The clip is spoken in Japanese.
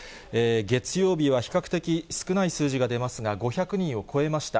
月曜日は比較的少ない数字が出ますが、５００人を超えました。